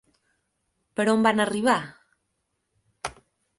Per on van arribar?